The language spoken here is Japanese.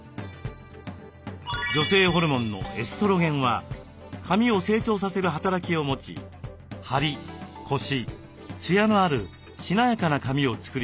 女性ホルモンのエストロゲンは髪を成長させる働きを持ちハリコシツヤのあるしなやかな髪を作り出します。